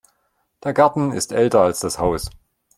Der Garten ist älter als das Haus.